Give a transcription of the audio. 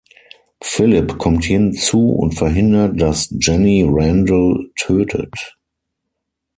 Phillip kommt hinzu und verhindert, dass Jenny Randall tötet.